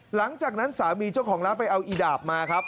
หลังจากนั้นสามีเจ้าของร้านไปเอาอีดาบมาครับ